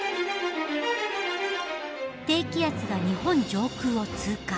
低気圧が日本上空を通過。